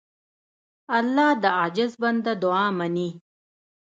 الله د عاجز بنده دعا منې.